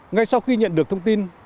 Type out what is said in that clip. ngay sau khi nhận được thông tin